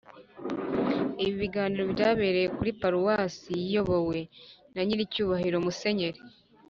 ibi biganiro byabereye kuri paluwasi biyobowe na nyiricyubahiro musenyeri